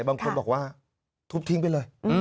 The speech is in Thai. บางคนบอกว่าทุบทิ้งไปเลย